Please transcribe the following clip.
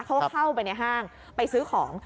เข้าไปในห้างไปซื้อของ